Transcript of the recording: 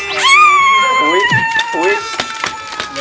ฮันนี่ใครค่ะ